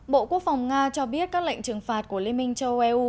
bộ quốc phòng nga cho biết các lệnh trừng phạt của liên minh châu âu